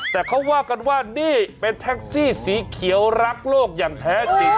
แต่เขาว่ากันว่านี่เป็นแท็กซี่สีเขียวรักโลกอย่างแท้จริง